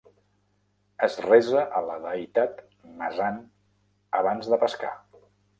Es resa a la deïtat "Masan" abans de pescar.